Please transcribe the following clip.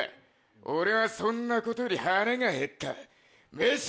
俺はそんなことより腹がへった。